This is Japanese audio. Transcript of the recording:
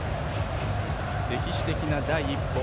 歴史的な第一歩。